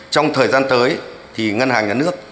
trong thời gian tới thì ngân hàng nhà nước